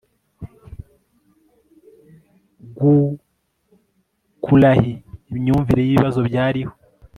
gukurahi imyumvire y'ibibazo byariho